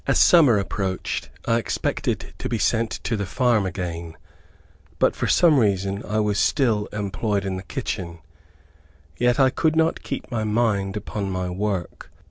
As summer approached, I expected to be sent to the farm again, but for some reason I was still employed in the kitchen. Yet I could not keep my mind upon my work.